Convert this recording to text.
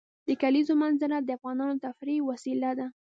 د کلیزو منظره د افغانانو د تفریح یوه وسیله ده.